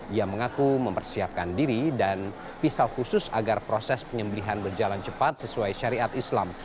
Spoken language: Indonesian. ia mengaku mempersiapkan diri dan pisau khusus agar proses penyembelihan berjalan cepat sesuai syariat islam